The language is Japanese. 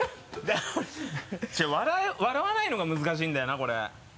違う笑う笑わないのが難しいんだよなこれ。